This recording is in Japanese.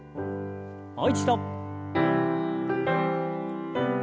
もう一度。